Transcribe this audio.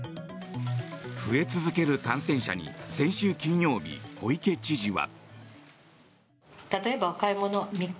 増え続ける感染者に先週金曜日、小池知事は。